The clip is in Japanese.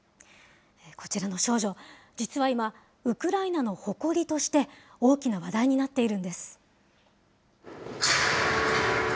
こちらの少女、実は今、ウクライナの誇りとして大きな話題になっているんです。